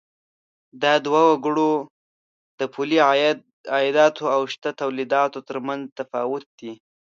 دا د وګړو د پولي عایداتو او شته تولیداتو تر مینځ تفاوت دی.